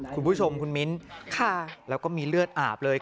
คุณผู้ชมคุณมิ้นแล้วก็มีเลือดอาบเลย